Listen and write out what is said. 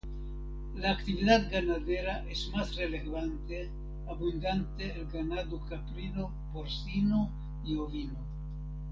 La actividad ganadera es más relevante, abundante el ganado caprino, porcino y ovino.